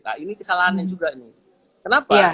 nah ini kesalahannya juga nih kenapa